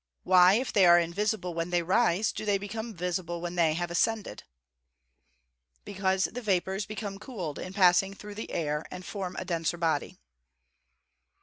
Why, if they are invisible when they rise, do they became visible when they have ascended? Because the vapours become cooled in passing through the air, and form a denser body.